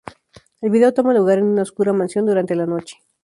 El video toma lugar en una oscura mansión durante la noche.